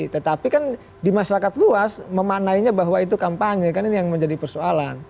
tetapi kan di masyarakat luas memanainya bahwa itu kampanye kan ini yang menjadi persoalan